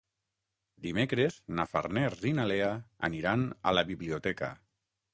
Dimecres na Farners i na Lea aniran a la biblioteca.